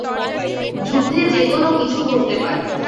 যুদ্ধে যে কোনো কিছু ঘটতে পারে।